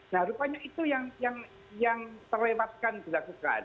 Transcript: nah rupanya itu yang terlewatkan dilakukan